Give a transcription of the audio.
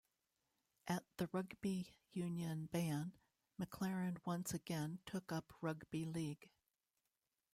At the rugby union ban, McLaren once again took up rugby league.